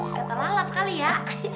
gak terlalu ap kali ya